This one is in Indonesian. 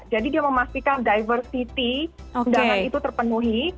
jadi dia memastikan diversity undangan itu terpenuhi